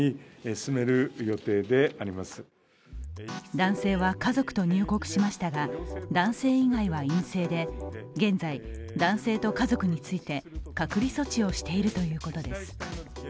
男性は家族と入国しましたが、男性以外は陰性で現在、男性と家族について隔離措置をしているということです。